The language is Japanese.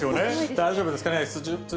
大丈夫ですかね？